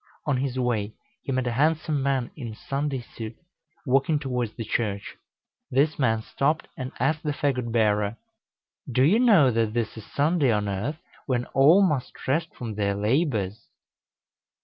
On his way he met a handsome man in Sunday suit, walking towards the Church; this man stopped and asked the fagot bearer, "Do you know that this is Sunday on earth, when all must rest from their labors?"